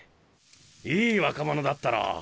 ・いい若者だったろう。